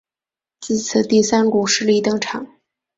自此第三股势力登场。